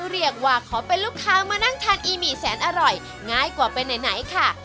เรียกว่าขอเป็นลูกค้ามานั่งทานอีหมี่แสนอร่อยง่ายกว่าไปไหนค่ะ